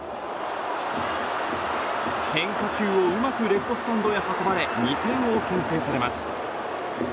変化球をうまくレフトスタンドへ運ばれ２点を先制されます。